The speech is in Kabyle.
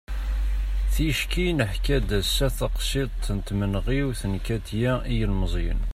ticki neḥka-d ass-a taqsiḍt n tmenɣiwt n katia i yilmeẓyen